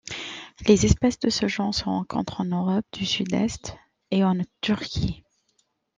Les espèces de ce genre se rencontrent en Europe du Sud-Est et en Turquie.